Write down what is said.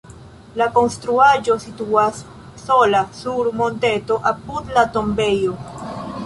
La konstruaĵo situas sola sur monteto apud la tombejo.